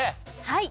はい。